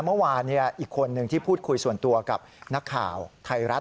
เมื่อวานอีกคนหนึ่งที่พูดคุยส่วนตัวกับนักข่าวไทยรัฐ